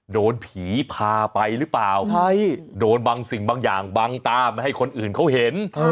โดนผีพาไปหรือเปล่าโดนบางสิ่งบางอย่างบังตาไม่ให้คนอื่นเขาเห็น